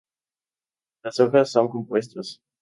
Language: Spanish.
Las hojas son compuestas.